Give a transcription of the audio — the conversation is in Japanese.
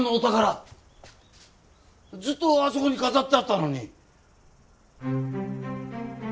ずっとあそこに飾ってあったのに。